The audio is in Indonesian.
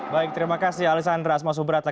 baik terima kasih alexandra asma subrata